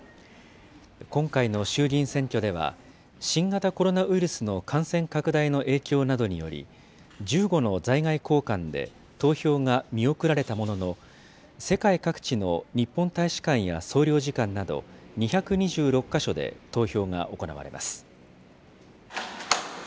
今回の衆議院選挙では、新型コロナウイルスの感染拡大の影響などにより、１５の在外公館で投票が見送られたものの、世界各地の日本大使館や総領事館など、２２６か所で投票が行われます。